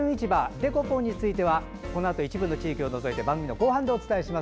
デコポンについてはこのあと一部の地域を除いて番組後半でお伝えします。